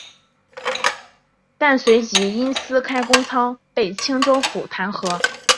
但随即因私开官仓被青州府弹劾。